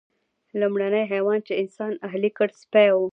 لومړنی حیوان چې انسان اهلي کړ سپی و.